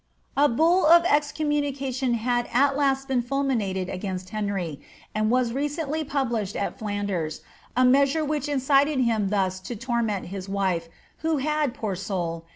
'' A boll of excommunication had at last been fulminated against Henry, and was recently published at Flanders, a measure which incited him thus to torment bis wife, who had, poor soul